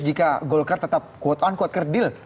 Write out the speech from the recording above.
jika golkar tetap kuat an kuat kerdil